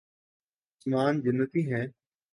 عثمان جنتی ہیں